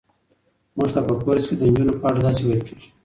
موږ ته په کورس کې د نجونو په اړه داسې ویل کېږي.